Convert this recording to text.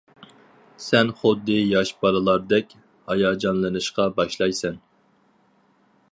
سەن خۇددى ياش بالىلاردەك ھاياجانلىنىشقا باشلايسەن.